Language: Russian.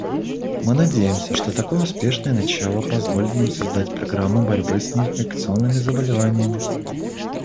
Мы надеемся, что такое успешное начало позволит нам создать программы борьбы с неинфекционными заболеваниями.